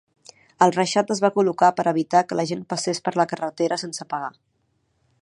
El reixat es va col·locar per evitar que la gent passés per la carretera sense pagar.